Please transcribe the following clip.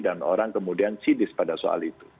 dan orang kemudian sidis pada soal itu